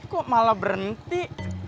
kok malah berhenti